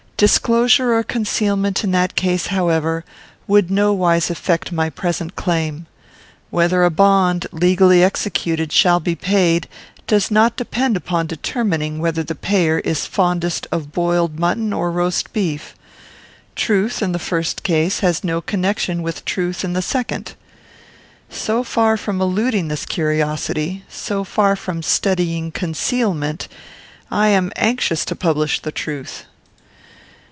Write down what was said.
Disclosure or concealment in that case, however, would nowise affect my present claim. Whether a bond, legally executed, shall be paid, does not depend upon determining whether the payer is fondest of boiled mutton or roast beef. Truth, in the first case, has no connection with truth in the second. So far from eluding this curiosity, so far from studying concealment, I am anxious to publish the truth."